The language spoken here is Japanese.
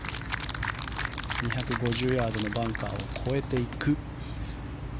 ２５０ヤードのバンカーを越えていく。